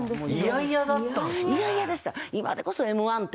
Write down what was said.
嫌々でした。